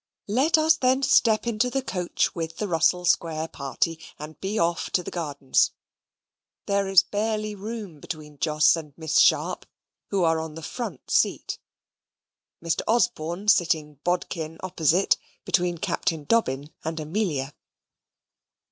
Let us then step into the coach with the Russell Square party, and be off to the Gardens. There is barely room between Jos and Miss Sharp, who are on the front seat. Mr. Osborne sitting bodkin opposite, between Captain Dobbin and Amelia.